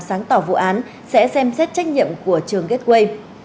sáng tỏ vụ án sẽ xem xét trách nhiệm của trường gateway